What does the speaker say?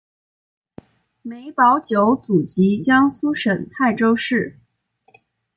梅葆玖祖籍江苏省泰州市。